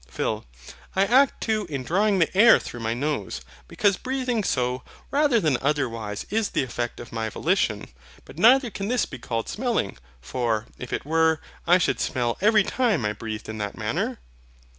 PHIL. I act too in drawing the air through my nose; because my breathing so rather than otherwise is the effect of my volition. But neither can this be called SMELLING: for, if it were, I should smell every time I breathed in that manner?